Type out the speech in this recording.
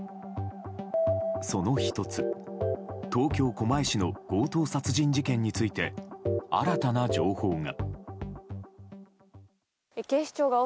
その１つ東京・狛江市の強盗殺人事件について新たな情報が。